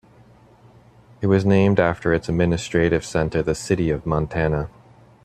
It was named after its administrative centre the city of Montana.